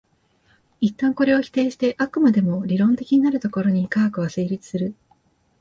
一旦これを否定して飽くまでも理論的になるところに科学は成立する。